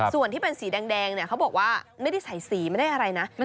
ส่วนที่เป็นสีแดงเนี่ยเขาบอกว่าไม่ได้ใส่สีไม่ได้อะไรนะ